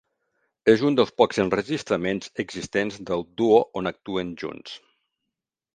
És una dels pocs enregistraments existents del duo on actuen junts.